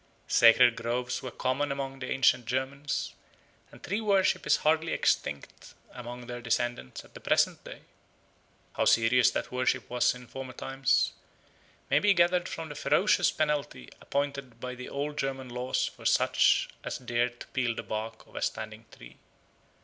Sacred groves were common among the ancient Germans, and tree worship is hardly extinct amongst their descendants at the present day. How serious that worship was in former times may be gathered from the ferocious penalty appointed by the old German laws for such as dared to peel the bark of a standing tree.